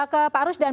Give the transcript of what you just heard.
ke pak rusdan